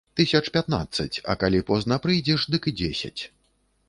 Тысяч пятнаццаць, а калі позна прыйдзеш, дык і дзесяць.